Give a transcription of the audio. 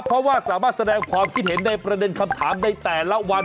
เพราะว่าสามารถแสดงความคิดเห็นในประเด็นคำถามในแต่ละวัน